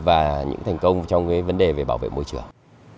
và những thành công trong cái vấn đề về bảo vệ môi trường